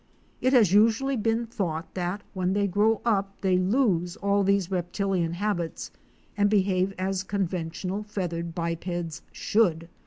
It has usually been thought that when they grow up they lose all these reptilian habits and behave as conventional feath ered bipeds should.